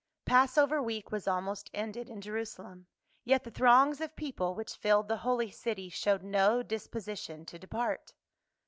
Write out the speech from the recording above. PASSOVER week was almost ended in Jerusalem, yet the throngs of people which filled the holy city showed no disposition to depart.